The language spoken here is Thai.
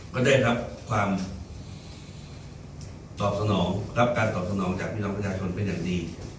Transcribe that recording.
ก็ได้รับความตอบสนองรับการตอบสนองจากพี่น้องประชาชนเป็นอย่างดี